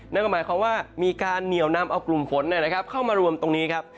นั่นก็หมายความว่ามีการเหนียวนำเอากลุ่มฝนเข้ามารวมตรงนี้ครับ